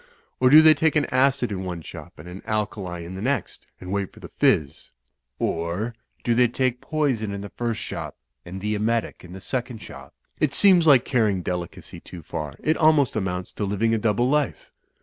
Or, do they take an acid in one shop and an alkali in the next, and wait for the fizz? Or, do they take the poison in the first shop and the emetic in the second shop? It seems like carrying delicacy too far. It almost amounts to living a double life."